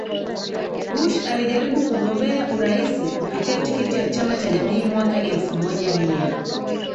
Bush alijaribu kugombea urais kupitia tiketi ya chama cha jamii mwaka elfu moja mia